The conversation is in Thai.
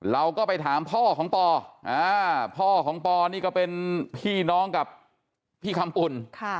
เราก็ไปถามพ่อของปอพ่อของปอนี่ก็เป็นพี่น้องกับพี่คำปุ่น